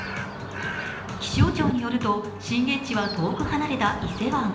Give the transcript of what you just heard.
気象庁によると、震源地は遠く離れた伊勢湾。